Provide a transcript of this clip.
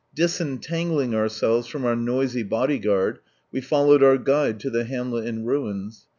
Disentangling ourselves from our noisy body guard, we followed our guide to the hamlel in ruins.